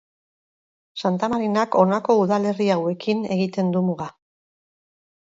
Santa Marinak honako udalerri hauekin egiten du muga.